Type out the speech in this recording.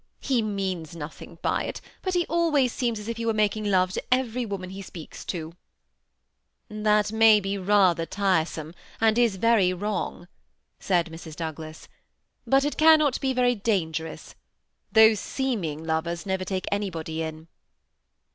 He means nothing by it, but he always seems as if he were making love to every woman he speaks to." 160 THE SSMI ATTACHED COUPLE, " That may be rather tiresome, and is very wrong," said Mrs. Douglas ;^ but it cannot be yery dangerous. Those seeming lovers never take anybody in."